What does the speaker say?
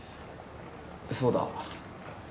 そうだ。